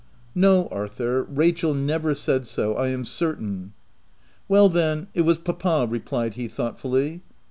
" No Arthur, Rachel never said so, I am certain. '*" Well then, it was papa," replied he thought fully.